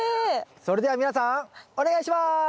それでは皆さんお願いします！